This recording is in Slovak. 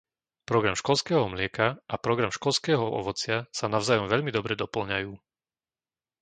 Program školského mlieka a program školského ovocia sa navzájom veľmi dobre dopĺňajú.